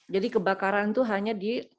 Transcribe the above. jadi kebakaran itu hanya di